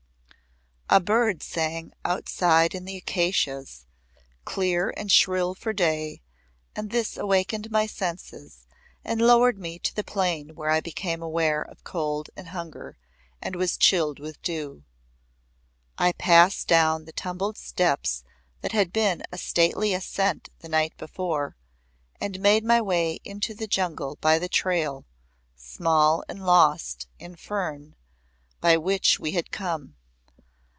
A bird sang outside in the acacias, clear and shrill for day, and this awakened my senses and lowered me to the plane where I became aware of cold and hunger, and was chilled with dew. I passed down the tumbled steps that had been a stately ascent the night before and made my way into the jungle by the trail, small and lost in fern, by which we had come.